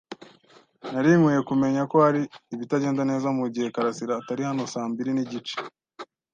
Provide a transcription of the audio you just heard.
Nari nkwiye kumenya ko hari ibitagenda neza mugihe karasira atari hano saa mbiri nigice.